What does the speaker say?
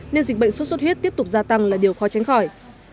nên dịch bệnh sốt xuất huyết tiếp tục gia tăng là điều khó tránh khỏi